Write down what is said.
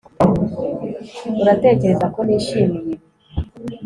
uratekereza ko nishimiye ibi